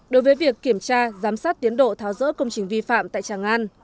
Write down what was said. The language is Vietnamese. đối với việc kiểm tra giám sát tiến độ tháo rỡ công trình vi phạm tại tràng an